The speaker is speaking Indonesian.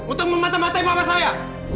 untuk mematah matahi papa saya